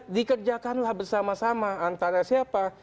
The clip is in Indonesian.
dikerjakanlah bersama sama antara siapa